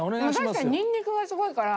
確かにニンニクがすごいから。